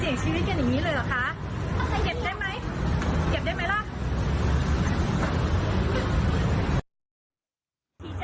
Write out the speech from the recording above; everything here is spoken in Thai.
เสียชีวิตกันอย่างนี้เลยเหรอคะเก็บได้ไหมล่ะ